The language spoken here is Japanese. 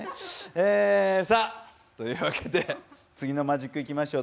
えさあというわけで次のマジックいきましょう。